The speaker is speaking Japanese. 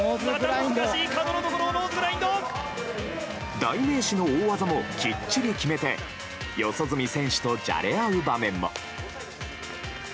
代名詞の大技もきっちり決めて四十住選手とじゃれ合う場面も。